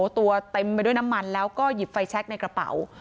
ตัวเต็มไปด้วยน้ำมันแล้วก็หยิบไฟแช็คในกระเป๋า